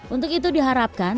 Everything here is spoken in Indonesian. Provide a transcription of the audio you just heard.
untuk itu diharapkan